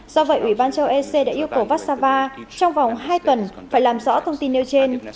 do vậy ủy ban châu ec đã yêu cầu vassava trong vòng hai tuần phải làm rõ thông tin nêu trên